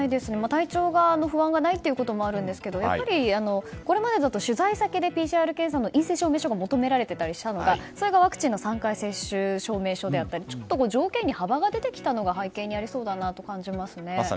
体調に不安がないこともありますがこれまでだと取材先でＰＣＲ検査の陰性証明書が求められていたのがワクチンの３回接種証明書であったり条件に幅が出てきたのが背景にありそうだなと思います。